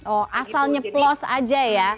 oh asalnya plus aja ya